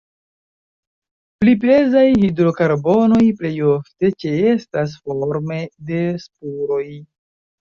Pli pezaj hidrokarbonoj plej ofte ĉeestas forme de spuroj.